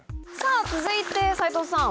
続いて斉藤さん